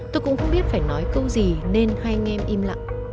tôi cũng không biết phải nói câu gì nên hay anh em im lặng